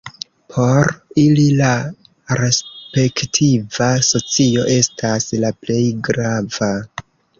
Por ili la respektiva socio estas la plej grava.